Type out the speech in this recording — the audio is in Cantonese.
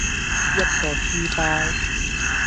一個書包